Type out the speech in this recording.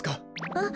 あっ。